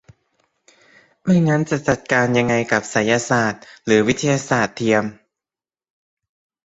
ไม่งั้นจะจัดการยังไงกับไสยศาสตร์หรือวิทยาศาสตร์เทียม